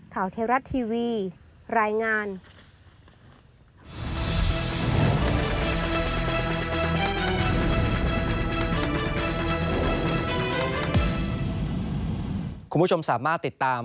คุณผู้ชมสามารถติดตาม